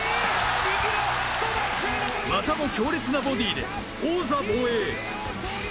またも強烈なボディーで王座防衛。